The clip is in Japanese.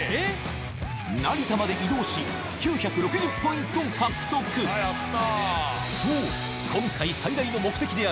成田まで移動し９６０ポイントを獲得そうあ！